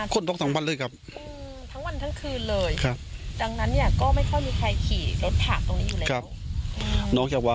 ก็คิดว่ามีใครที่มาแล้ว